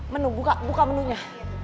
menu buka buka menunya